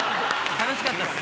楽しかったっす。